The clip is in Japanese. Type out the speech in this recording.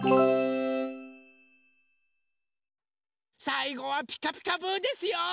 さいごは「ピカピカブ！」ですよ。